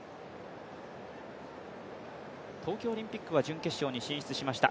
東京オリンピックは準決勝に進出しました。